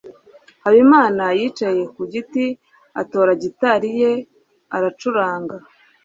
Habimana yicaye ku giti, atora gitari ye, aracuranga.